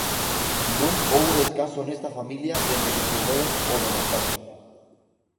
Non houbo descanso nesta familia dende que souberon o do naufraxio.